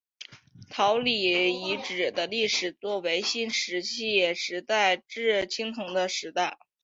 姚李遗址的历史年代为新石器时代至青铜时代。